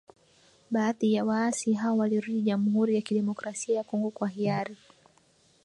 Baadhi ya waasi hao walirudi Jamhuri ya kidemokrasia ya Kongo kwa hiari.